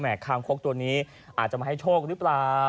คางคกตัวนี้อาจจะมาให้โชคหรือเปล่า